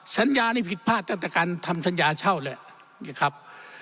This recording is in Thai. สัญญานี่ผิดพลาดตั้งแต่การทำสัญญาเช่าเลยนะครับ